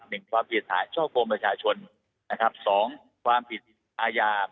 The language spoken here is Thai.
หนึ่งความเสียหายช่อกงประชาชนนะครับสองความผิดอาญา